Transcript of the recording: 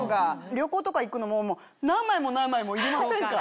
旅行とか行くのも何枚も何枚も入れませんか？